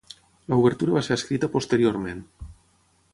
L'obertura va ser escrita posteriorment.